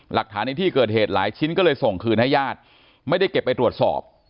หลักฐานในที่เกิดเหตุหลายชิ้นก็เลยส่งคืนให้ญาติไม่ได้เก็บไปตรวจสอบ